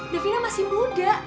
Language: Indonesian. davina masih muda